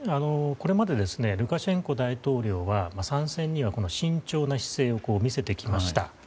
これまでルカシェンコ大統領は参戦には慎重な姿勢を見せてきました。